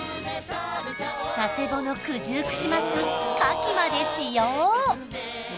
佐世保の九十九島産牡蠣まで使用！